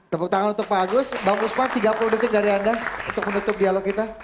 tepuk tangan untuk pak agus bang usman tiga puluh detik dari anda untuk menutup dialog kita